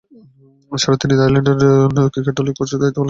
এছাড়াও তিনি Ireland cricket দলে কোচের দায়িত্বে ছিলেন।